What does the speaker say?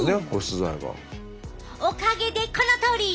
おかげでこのとおり！